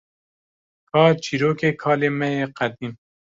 Ka çîrokê kalê me yê qedîm?